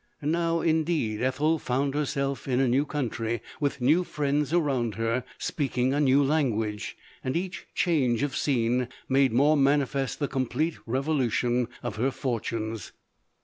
Now, indeed, Ethel found herself in a new country, with new friends around her, speaking a new language, and each change of scene made more manifest the complete revolu tion of her fortunes.